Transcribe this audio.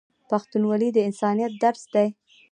پښتونولي د انسانیت درس دی.